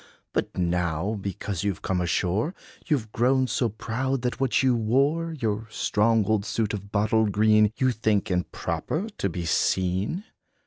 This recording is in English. But now, because you 've come ashore, You 've grown so proud, that what you wore Your strong old suit of bottle green, You think improper to be seen.